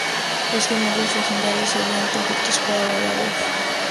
Los gemelos legendarios serian perfectos para la labor.